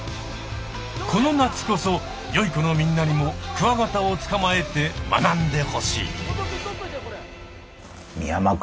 この夏こそよい子のみんなにもクワガタをつかまえて学んでほしい。